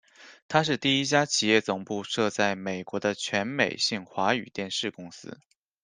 它是第一家企业总部设在美国的全美性华语电视公司。